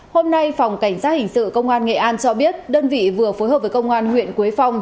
hôm nay phòng cảnh sát hình sự công an nghệ an cho biết đơn vị vừa phối hợp với công an huyện quế phong